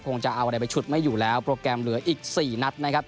จะเอาอะไรไปฉุดไม่อยู่แล้วโปรแกรมเหลืออีก๔นัดนะครับ